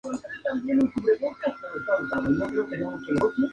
Tanto el exterior como el interior se caracterizan por su sobriedad.